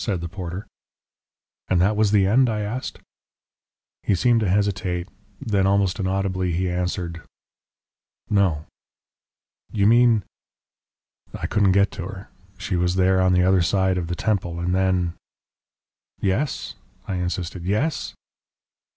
said the porter. "And that was the end?" I asked. He seemed to hesitate. Then, almost inaudibly, he answered, "No." "You mean?" "I couldn't get to her. She was there on the other side of the Temple And then " "Yes," I insisted. "Yes?"